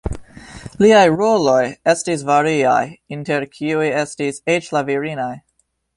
Liaj roloj estis variaj, inter kiuj estis eĉ la virinaj.